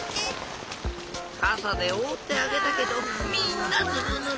かさでおおってあげたけどみんなずぶぬれ。